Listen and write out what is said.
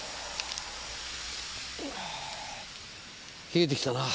冷えてきたな。